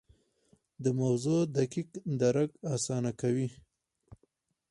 د موضوع دقیق درک اسانه کوي.